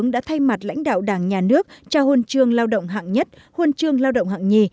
đặc biệt lãnh đạo đảng nhà nước cho hôn trường lao động hạng nhất hôn trường lao động hạng nhì